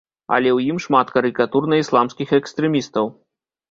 Але ў ім шмат карыкатур на ісламскіх экстрэмістаў.